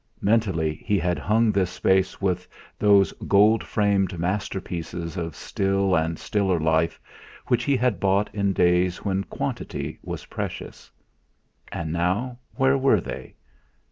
Mentally he had hung this space with those gold framed masterpieces of still and stiller life which he had bought in days when quantity was precious. And now where were they?